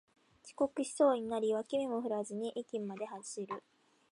遅刻しそうになり脇目も振らずに駅まで走る